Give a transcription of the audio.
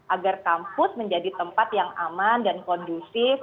agar kampus menjadi tempat yang aman dan kondusif